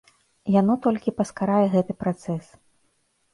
Яно толькі паскарае гэты працэс.